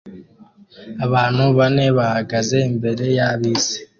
Abantu bane bahagaze imbere ya bisi